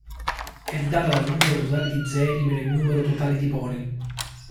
È data dal numero totale di zeri meno il numero totale di poli.